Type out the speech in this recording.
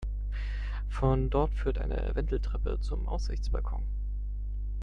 Von dort führt eine Wendeltreppe zum Aussichtsbalkon.